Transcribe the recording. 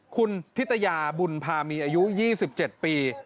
คุณทิตยาบุญพามีอายุ๒๗ปี